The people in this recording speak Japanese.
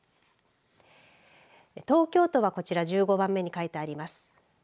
東京都はこちら１５番目に書いてあります。